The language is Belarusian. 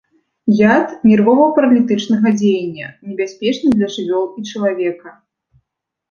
Яд нервова-паралітычнага дзеяння, небяспечны для жывёл і чалавека.